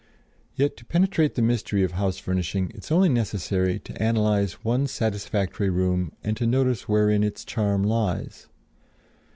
Yet to penetrate the mystery of house furnishing it is only necessary to analyze one satisfactory room and to notice wherein its charm lies.